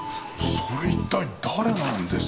それ一体誰なんですかね？